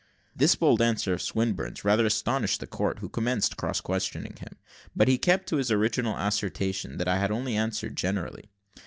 This bold answer of Swinburne's rather astonished the court, who commenced cross questioning him; but he kept to his original assertion that I had only answered generally.